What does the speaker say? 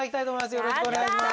よろしくお願いします。